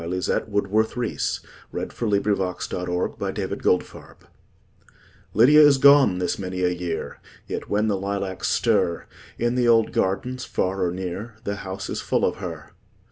Lizette Woodworth Reese Lydia is gone this many a year LYDIA is gone this many a year, Yet when the lilacs stir, In the old gardens far or near, The house is full of her.